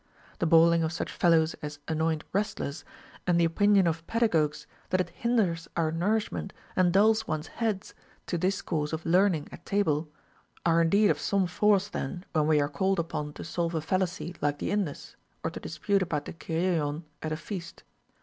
The bawling of such fel lows as anoint wrestlers, and the opinion of pedagogues that it hinders our nourishment and dulls one's head to discourse of learning at table, are indeed of some force then, when we are called upon to solve a fallacy like the Indus or to dispute about the Kyrieuon at a feast.